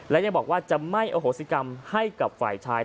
และยังบอกว่าจะไม่อโหสิกรรมให้กับฝ่ายชาย